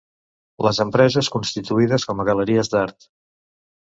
Les empreses constituïdes com a galeries d'art.